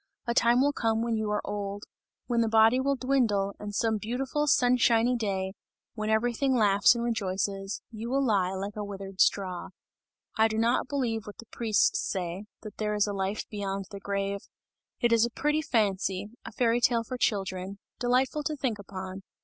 A time will come when you are old, when the body will dwindle and some beautiful sunshiny day, when everything laughs and rejoices, you will lie like a withered straw! I do not believe what the priests say, that there is a life beyond the grave! It is a pretty fancy, a fairy tale for children, delightful to think upon.